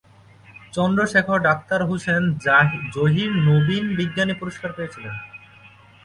Chandrashekhar doctor Hussain Zahir নবীন বিজ্ঞানী পুরস্কার পেয়েছিলেন।